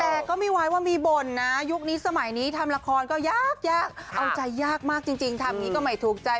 แต่ก็ไม่ไว้ว่ามีบ่นนะยุคนี้สมัยนี้ทำละครก็ยากยากเอาใจยากมากจริงทำอย่างนี้ก็ไม่ถูกใจ